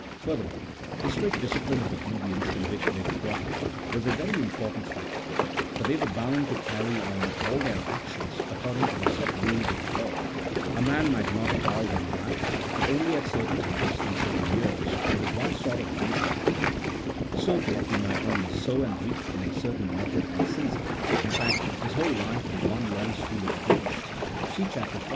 Furthermore, the strict discipline of obedience in which they were brought up, was a very important factor ; for they were bound to carry on all their actions according to the set rules of the law: a man might not plough when he liked, but only at certain times, in certain years, and with one sort of beast at a time ; so, too, he might only sow and reap in a certain method and season — in fact, his whole life was one long school of obedience (see Chap. V.